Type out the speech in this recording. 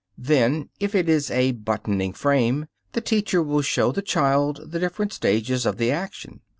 Then, if it is a buttoning frame, the teacher will show the child the different stages of the action.